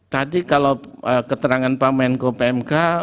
tadi kalau keterangan pak menko pmk